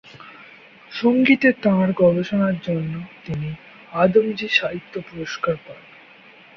সঙ্গীতে তাঁর গবেষণা জন্য তিনি আদমজী সাহিত্য পুরস্কার পান।